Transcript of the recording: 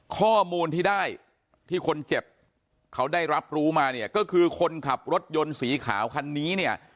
ข้อมูลที่ได้ที่คนเจ็บเขาได้รับรู้มาเนี่ยก็คือคนขับรถยนต์สีขาวคันนี้เนี่ย